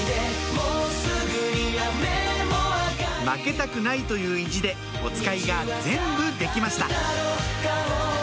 負けたくないという意地でおつかいが全部できました